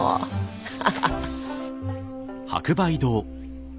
ハハハハ。